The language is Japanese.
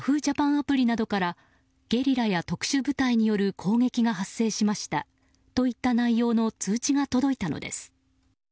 アプリなどからゲリラや特殊部隊による攻撃が発生しましたという内容の通知が届いたのです。